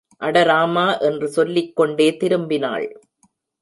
அட ராமா! என்று சொல்லிக்கொண்டே திரும்பினாள்.